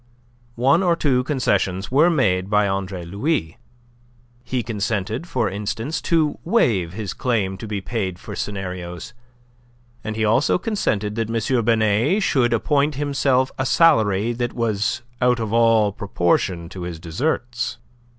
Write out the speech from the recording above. One or two concessions were made by Andre Louis; he consented, for instance, to waive his claim to be paid for scenarios, and he also consented that M. Binet should appoint himself a salary that was out of all proportion to his deserts.